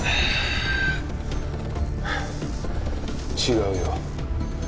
違うよ。